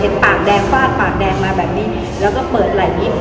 เห็นปากแดงฟาดปากแดงมาแบบนี้แล้วก็เปิดหลายนิด